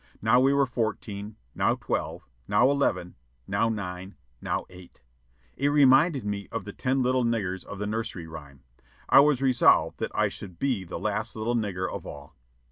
Now we were fourteen, now twelve, now eleven, now nine, now eight. It reminded me of the ten little niggers of the nursery rhyme. I was resolved that I should be the last little nigger of all.